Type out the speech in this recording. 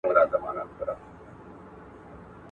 ظالمان به ډېر ژر په سوزيدونکي اور کي داخل سي.